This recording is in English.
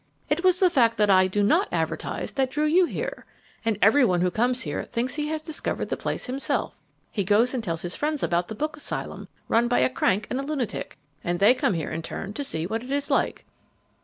It was the fact that I do NOT advertise that drew you here. And everyone who comes here thinks he has discovered the place himself. He goes and tells his friends about the book asylum run by a crank and a lunatic, and they come here in turn to see what it is like."